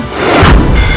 mama gak rela